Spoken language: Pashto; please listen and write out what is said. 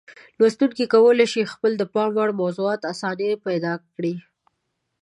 لوستونکي کولای شي خپله د پام وړ موضوع په اسانۍ پیدا کړي.